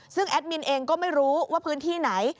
ซึ่งแอดมินเองก็ไม่รู้ว่าพื้นที่ไหน